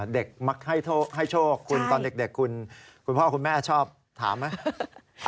มักให้โชคคุณตอนเด็กคุณพ่อคุณแม่ชอบถามไหม